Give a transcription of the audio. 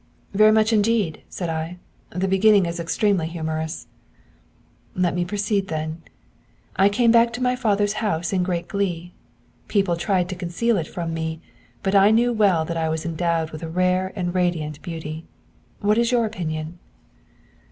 'Very much indeed!' said I. 'The beginning is extremely humorous.' 'Let me proceed then. I came back to my father's house in great glee. People tried to conceal it from me, but I knew well that I was endowed with a rare and radiant beauty. What is your opinion?'